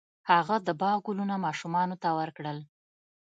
هغه د باغ ګلونه ماشومانو ته ورکړل.